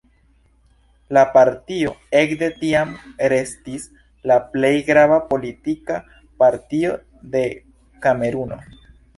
La partio ekde tiam restis la plej grava politika partio de Kameruno.